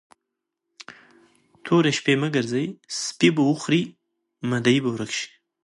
تورې شپې مه ګرځئ؛ سپي به وخوري، مدعي به ورک شي.